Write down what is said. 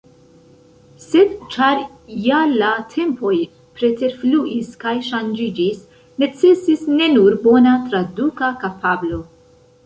Sed ĉar ja la tempoj preterfluis kaj ŝanĝiĝis, necesis ne nur bona traduka kapablo.